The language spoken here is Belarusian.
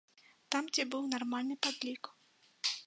Там, дзе быў нармальны падлік.